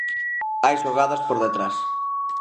Hai xogadas por detrás.